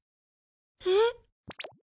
えっ？